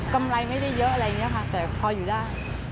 กำไรไม่ได้เยอะอะไรอย่างนี้ค่ะแต่พออยู่ได้